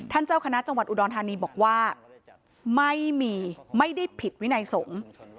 เจ้าคณะจังหวัดอุดรธานีบอกว่าไม่มีไม่ได้ผิดวินัยสงฆ์